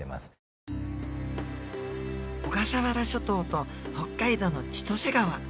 小笠原諸島と北海道の千歳川。